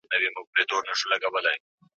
ګناه څه ده ؟ ثواب څه دی؟ کوم یې فصل کوم یې باب دی